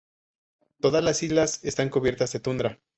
Todas las islas están cubiertas de tundra.